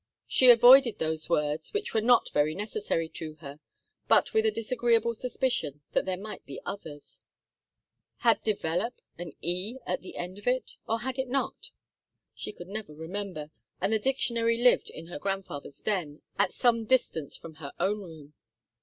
She avoided those words, which were not very necessary to her, but with a disagreeable suspicion that there might be others. Had 'develop' an 'e' at the end of it, or had it not? She could never remember, and the dictionary lived in her grandfather's den, at some distance from her own room.